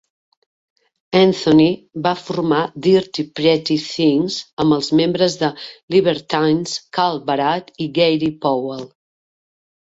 Anthony va formar Dirty Pretty Things amb els membres de Libertines, Carl Barat i Gary Powell.